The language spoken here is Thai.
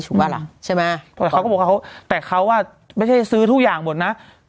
ถูกว่าล่ะใช่มั้ยแต่เขาว่าไม่ใช่ซื้อทุกอย่างหมดน่ะ